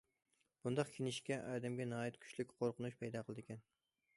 بۇنداق كىنىشكا ئادەمگە ناھايىتى كۈچلۈك قورقۇنچ پەيدا قىلىدىكەن.